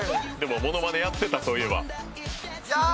ものまねやってたそういえば。